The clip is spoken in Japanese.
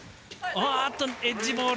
あーっと、エッジボール。